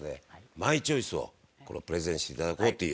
マイチョイスをプレゼンして頂こうという。